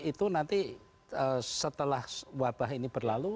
itu nanti setelah wabah ini berlalu